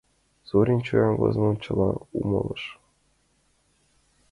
Зорин чоян возымым чыла умылыш.